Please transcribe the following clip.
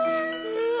うわ！